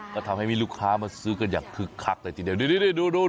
ก็ทำให้มีลูกค้ามาซื้อกันอย่างคึกคักเลยทีเดียวนี่ดู